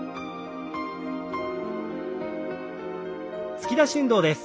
突き出し運動です。